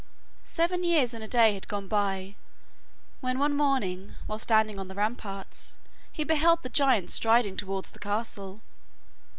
Seven years and a day had gone by, when one morning, while standing on the ramparts, he beheld the giant striding towards the castle.